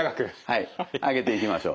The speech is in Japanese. はい上げていきましょう。